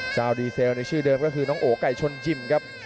ดีเซลในชื่อเดิมก็คือน้องโอ๋ไก่ชนยิมครับ